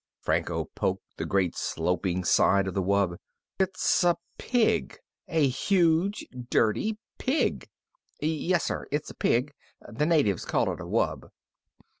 Franco poked the great sloping side of the wub. "It's a pig! A huge dirty pig!" "Yes sir, it's a pig. The natives call it a wub."